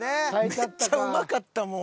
めっちゃうまかったもん。